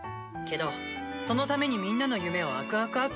けどそのためにみんなの夢をあくあく